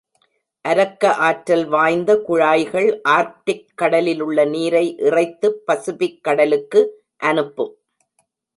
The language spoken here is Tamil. அரக்க ஆற்றல் வாய்ந்த குழாய்கள் ஆர்க்டிக் கடலிலுள்ள நீரை இறைத்துப் பசிபிக் கடலுக்கு அனுப்பும்.